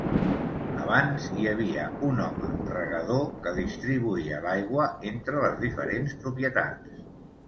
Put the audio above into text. Abans, hi havia un home -regador- que distribuïa l'aigua entre les diferents propietats.